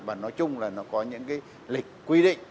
và nói chung là nó có những cái lịch quy định